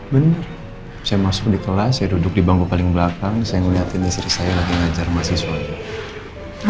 ben saya masuk di kelas saya duduk di bangku paling belakang saya ngeliatin istri saya lagi ngajar mahasiswa ya